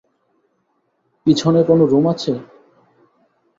পিছনে কোন রুম আছে?